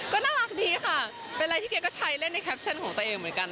ก็น่ารักดีค่ะเป็นอะไรที่แกก็ใช้เล่นในแคปชั่นของตัวเองเหมือนกัน